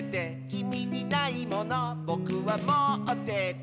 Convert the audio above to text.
「きみにないものぼくはもってて」